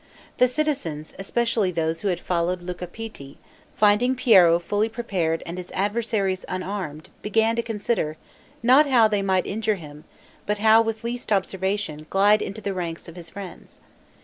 The citizens, especially those who had followed Luca Pitti, finding Piero fully prepared and his adversaries unarmed, began to consider, not how they might injure him, but how, with least observation, glide into the ranks of his friends.